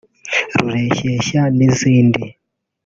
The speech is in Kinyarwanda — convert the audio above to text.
Rureshyeshya n’izindi